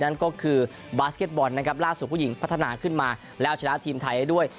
นั่นก็คือบาสเก็ตบอลนะครับล่าสุดผู้หญิงพัฒนาขึ้นมาแล้วชนะทีมไทยได้ด้วย